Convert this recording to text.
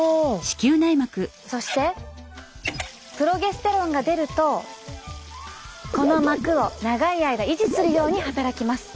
そしてプロゲステロンが出るとこの膜を長い間維持するように働きます。